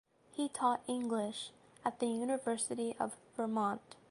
He taught English at the University of Vermont.